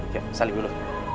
yuk saling dulu